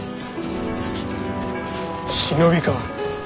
忍びか。